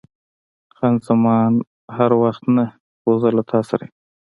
خان زمان: هر وخت نه، خو زه له تا سره یم.